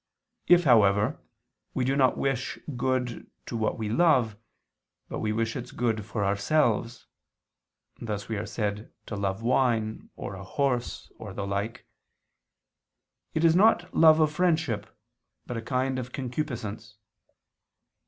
If, however, we do not wish good to what we love, but wish its good for ourselves, (thus we are said to love wine, or a horse, or the like), it is love not of friendship, but of a kind of concupiscence.